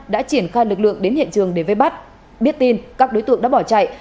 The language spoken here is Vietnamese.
đã triển khai lực lượng đến hiện trường để vây bắt biết tin các đối tượng đã bỏ chạy